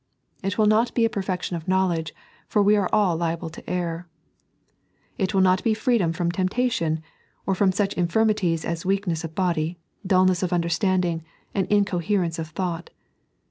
It will not be a perfection of knowledge, for we are all liable to error. It will not be freedom from temptation, or from such infirmities as weakness of body, dulness of understanding, and incoherence of thought.